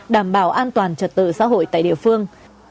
đảm bảo an toàn trật tự xã hội tại địa phương